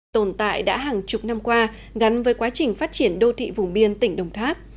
tồn tại đã hàng chục năm qua gắn với quá trình phát triển đô thị vùng biên tỉnh đồng tháp